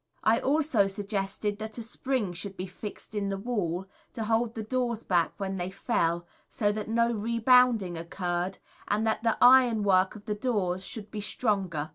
I also suggested that a spring should be fixed in the Wall to hold the doors back when they fell, so that no rebounding occurred, and that the ironwork of the doors should be stronger.